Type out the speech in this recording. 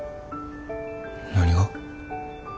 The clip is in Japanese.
何が？